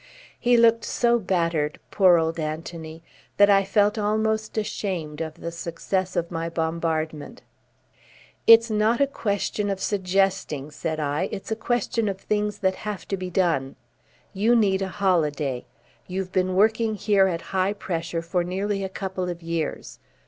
He looked so battered, poor old Anthony, that I felt almost ashamed of the success of my bombardment. "It's not a question of suggesting," said I. "It's a question of things that have to be done. You need a holiday. You've been working here at high pressure for nearly a couple of years.